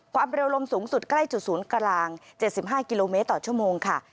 ความเร็วลมสูงสุดใกล้จุดศูนย์กลาง๗๕กิโลเมตรต่อชั่วโมงค่ะ